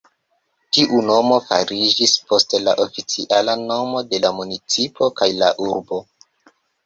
Tiu nomo fariĝis poste la oficiala nomo de la municipo kaj la urbo.